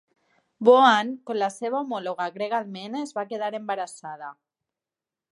Boann, com la seva homòloga grega Alcmene, es va quedar embarassada.